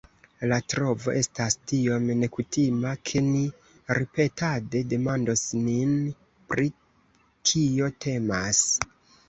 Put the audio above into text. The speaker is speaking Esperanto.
La trovo estas tiom nekutima, ke ni ripetade demandos nin, pri kio temas.